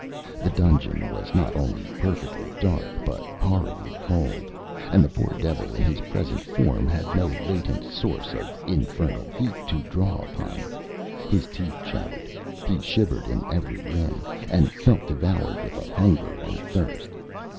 The dungeon was not only perfectly dark, but horribly cold, and the poor devil in his present form had no latent store of infernal heat to draw upon. His teeth chattered, he shivered in every limb, and felt devoured with hunger and thirst.